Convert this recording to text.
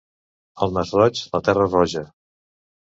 Al Masroig, la terra roja.